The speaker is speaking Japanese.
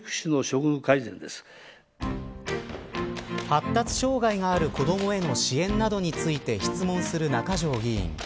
発達障害がある子どもへの支援などについて質問する中条議員。